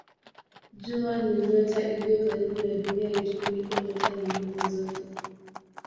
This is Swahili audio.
Jua ni nyota iliyo karibu na Dunia yetu kuliko nyota nyingine zote.